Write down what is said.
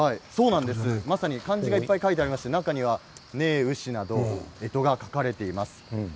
漢字がいっぱい書いてありまして中にはえとが書かれています。